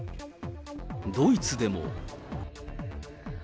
ドイツでも。